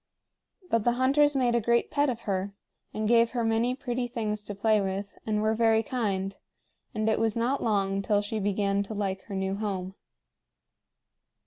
But the hunters made a great pet of her, and gave her many pretty things to play with, and were very kind; and it was not long till she began to like her new home.